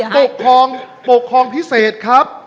ปกครองปกครองพิเศษครับ